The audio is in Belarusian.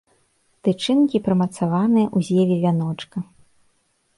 Тычынкі прымацаваныя ў зеве вяночка.